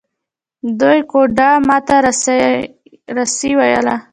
دوی ګوډه ما ته روسي ویله.